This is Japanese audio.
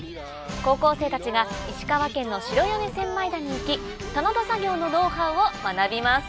高校生たちが石川県の白米千枚田に行き棚田作業のノウハウを学びます。